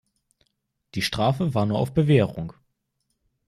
Die Strafe war nur auf Bewährung.